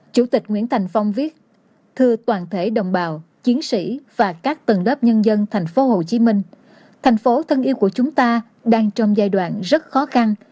chủ tịch nguyễn thành phong viết thư toàn thể đồng bào chiến sĩ và các tầng lớp nhân dân tp hcm thành phố thân yêu của chúng ta đang trong giai đoạn rất khó khăn